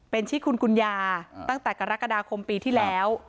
เป็นชื่อคุณกุญญาตั้งแต่กรกฎาคมปีที่แล้ว